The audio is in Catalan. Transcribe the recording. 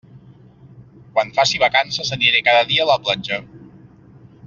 Quan faci vacances aniré cada dia a la platja.